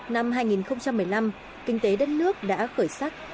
năm hai nghìn một mươi năm kinh tế đất nước đã khởi sắc